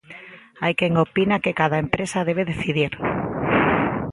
Hai quen opina que cada empresa debe decidir.